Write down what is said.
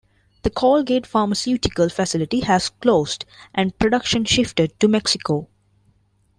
The Colgate pharmaceutical facility has closed and production shifted to Mexico.